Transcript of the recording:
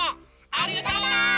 ありがとう！